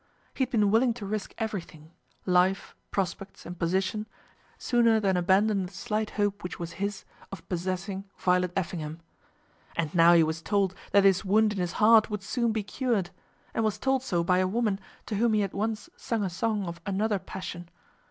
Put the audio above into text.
He had been willing to risk everything, life, prospects, and position, sooner than abandon the slight hope which was his of possessing Violet Effingham. And now he was told that this wound in his heart would soon be cured, and was told so by a woman to whom he had once sung a song of another passion.